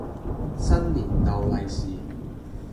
新年逗利是